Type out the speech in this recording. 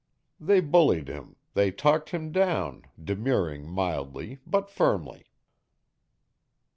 They bullied him they talked him down, demurring mildly, but firmly.